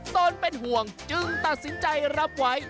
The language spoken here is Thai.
ตนเป็นห่วงจึงตัดสินใจรับไว้